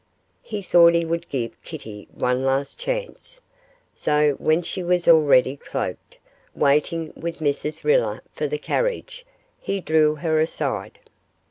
He thought he would give Kitty one last chance, so when she was already cloaked, waiting with Mrs Riller for the carriage, he drew her aside.